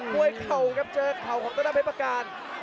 ด้วยเข่าครับเจอเข่าของต้นท่าเพภาการ